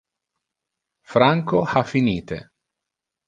Franco ha finite.